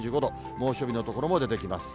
猛暑日の所も出てきます。